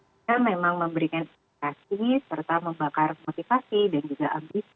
kita memang memberikan inspirasi serta membakar motivasi dan juga ambisi